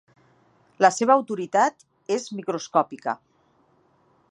La seva autoritat és microscòpica.